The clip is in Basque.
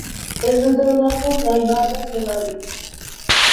Ez dute onartu nahi barne mugarik.